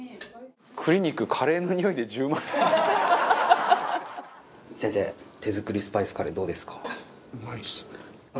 クリニック先生手作りスパイスカレーどうですか？